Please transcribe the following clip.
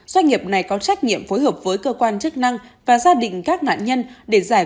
doanh nghiệp này có trách nhiệm phối hợp với cơ quan chức năng và gia đình các nạn nhân để giải